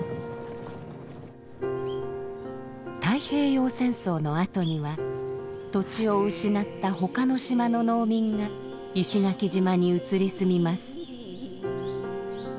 太平洋戦争のあとには土地を失った他の島の農民が石垣島に移り住みます。